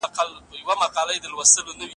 متقابل معروف معاشرت ولي لازم دی؟